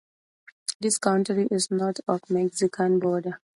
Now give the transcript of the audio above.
This county is north of the Mexican border.